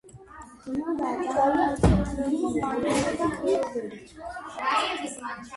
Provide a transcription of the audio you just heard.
ბაქტერიოფაგი, რომელიც ასევე ცნობილია როგორც ფაგი, არის ვირუსი, რომელიც აინფიცირებს და ანადგურებს ბაქტერიებს